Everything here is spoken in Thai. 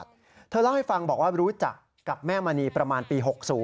เธอเล่าให้ฟังบอกว่ารู้จักกับแม่มณีประมาณปี๖๐